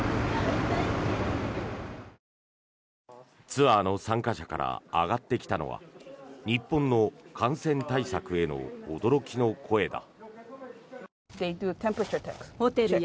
ツアーの参加者から上がってきたのは日本の感染対策への驚きの声だ。